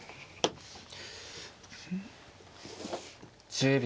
１０秒。